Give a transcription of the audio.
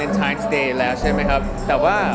ชายสเตย์แล้วใช่ไหมครับแต่ว่า